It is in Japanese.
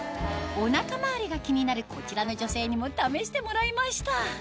お腹周りが気になるこちらの女性にも試してもらいました